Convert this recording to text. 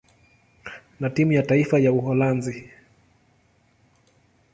na timu ya taifa ya Uholanzi.